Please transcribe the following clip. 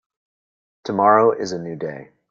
Tomorrow is a new day.